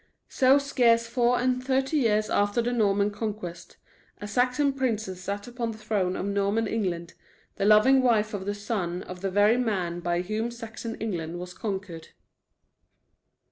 So scarce four and thirty years after the Norman conquest, a Saxon princess sat upon the throne of Norman England, the loving wife of the son of the very man by whom Saxon England was conquered.